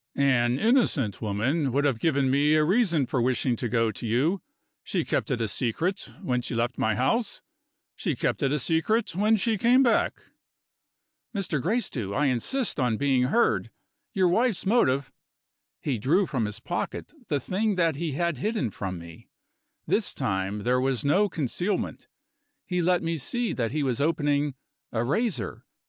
An innocent woman would have given me a reason for wishing to go to you she kept it a secret, when she left my house; she kept it a secret when she came back." "Mr. Gracedieu, I insist on being heard! Your wife's motive " He drew from his pocket the thing that he had hidden from me. This time, there was no concealment; he let me see that he was opening a razor.